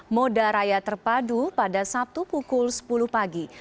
moda raya terpadu pada sabtu pukul sepuluh pagi